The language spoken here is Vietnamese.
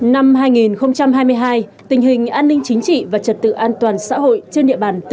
năm hai nghìn hai mươi hai tình hình an ninh chính trị và trật tự an toàn xã hội trên địa bàn tỉnh bà rịa úng tàu